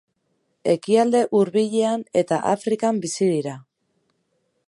Ekialde Hurbilean eta Afrikan bizi dira.